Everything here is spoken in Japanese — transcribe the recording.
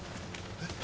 えっ？